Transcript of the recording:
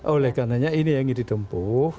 oleh karena ini yang ditempuh